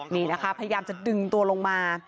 นี่นะคะพยายามจะดึงตัวลงมา